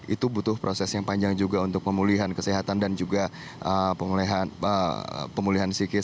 itu butuh proses yang panjang juga untuk pemulihan kesehatan dan juga pemulihan psikis